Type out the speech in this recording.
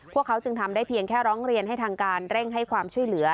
พวกเขาจึงทำได้เพียงแค่ร้องเรียนให้ทางการเร่งให้ความช่วยเหลือ